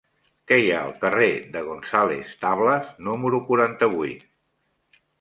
Què hi ha al carrer de González Tablas número quaranta-vuit?